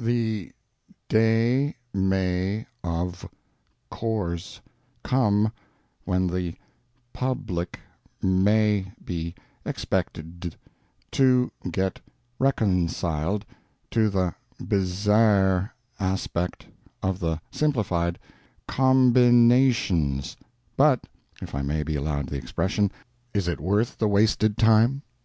The da ma ov koars kum when the publik ma be expektd to get rekonsyled to the bezair asspekt of the Simplified Kombynashuns, but—if I may be allowed the expression—is it worth the wasted time?